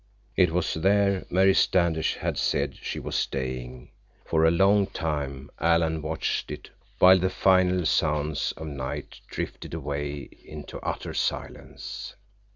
It was there Mary Standish had said she was staying. For a long time Alan watched it while the final sounds of the night drifted away into utter silence.